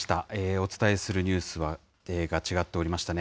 お伝えするニュースが違っておりましたね。